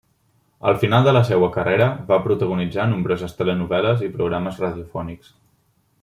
Al final de la seua carrera va protagonitzar nombroses telenovel·les i programes radiofònics.